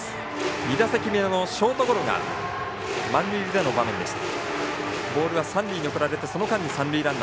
２打席目のショートゴロは満塁での場面でした。